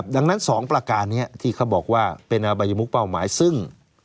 ดังนั้น๒ประการนี้ที่เขาบอกว่าเป็นอบัยมุกเป้าหมายซึ่ง